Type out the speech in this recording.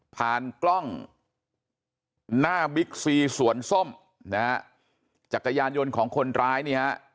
กล้องหน้าบิ๊กซีสวนส้มนะฮะจักรยานยนต์ของคนร้ายนี่ฮะ